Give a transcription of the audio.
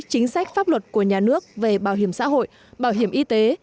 chính sách pháp luật của nhà nước về bảo hiểm xã hội bảo hiểm y tế